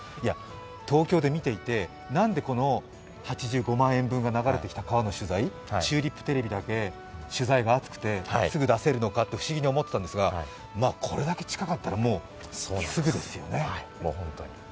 東京で見ていて、なんでこの８５万円分が流れてきていた取材、チューリップテレビだけ取材が熱くて、すぐ出せるのかと不思議に思ってたら、これだけ近かったら、もうすぐですよね。